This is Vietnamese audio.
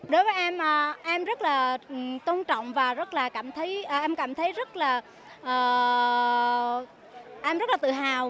đối với em em rất là tôn trọng và em cảm thấy rất là tự hào